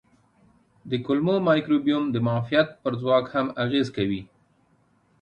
د کولمو مایکروبیوم د معافیت پر ځواک هم اغېز کوي.